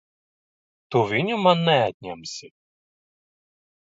Tu viņu man neatņemsi!